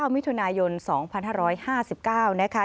มิถุนายน๒๕๕๙นะคะ